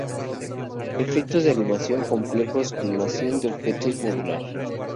Efectos de animación complejos, clonación de objetos modular.